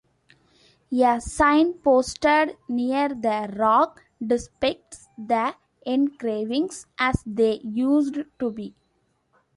A sign posted near the rock depicts the engravings as they used to be.